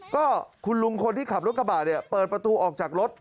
ก็คุณลุงคนที่ขับรถกระบะเนี่ยเปิดประตูออกจากรถ